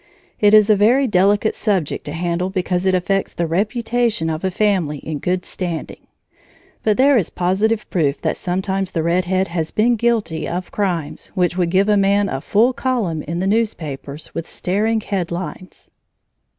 It is a very delicate subject to handle because it affects the reputation of a family in good standing; but there is positive proof that sometimes the red head has been guilty of crimes which would give a man a full column in the newspapers with staring headlines.